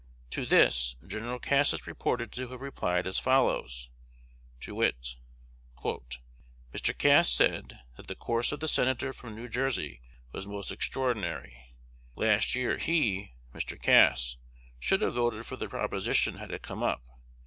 To this, Gen. Cass is reported to have replied as follows, to wit: "Mr. Cass said, that the course of the Senator from New Jersey was most extraordinary. Last year he (Mr. Cass) should have voted for the proposition had it come up.